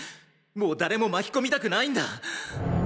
もう誰も巻き込みたくないんだ！